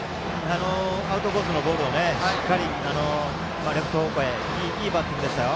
アウトコースのボールをしっかりレフト方向へいいバッティングでしたよ。